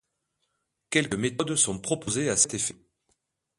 Quelques méthodes sont proposées à cet effet.